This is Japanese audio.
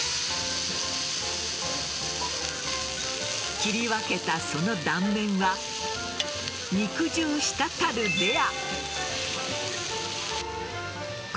切り分けた、その断面は肉汁滴るレア。